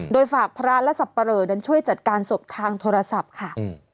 โดยฝากพระและสับปะเหลอนั้นช่วยจัดการศพทางโทรศัพท์ค่ะ